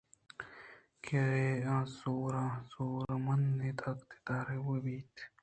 کہ آ زور مند ءُ طاقت دار بہ بیت